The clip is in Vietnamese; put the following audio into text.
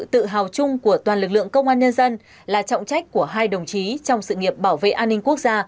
tự hào chung của toàn lực lượng công an nhân dân là trọng trách của hai đồng chí trong sự nghiệp bảo vệ an ninh quốc gia